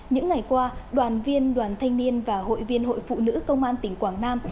những ngày qua đoàn viên đoàn thanh niên và hội viên hội phụ nữ công an tỉnh quảng nam